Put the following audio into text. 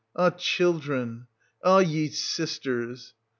Ah, children — ah, ye sisters